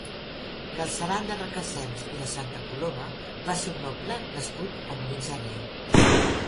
Galceran de Requesens i de Santacoloma va ser un noble nascut a Molins de Rei.